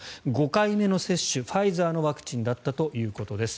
５回目の接種ファイザーのワクチンだったということです。